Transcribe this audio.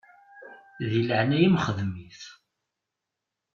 Di leɛnaya-m xdem-it.